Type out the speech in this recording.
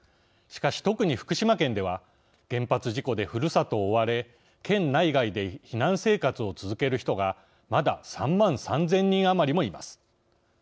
しかし、特に福島県では原発事故でふるさとを追われ県内外で避難生活を続ける人がまだ３万３０００人余りもいます。